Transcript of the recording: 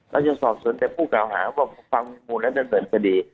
เราจะสอบส่วนแต่ผู้กล่าวหาว่าความมีมูลและดำเนินคดี